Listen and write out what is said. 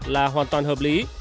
là hoàn toàn hợp lý